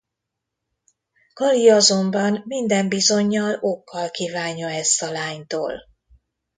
Kali azonban minden bizonnyal okkal kívánja ezt a lánytól.